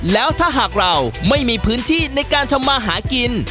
แล้วถ้าหากเราไม่มีพื้นที่ในการทำมาหากิน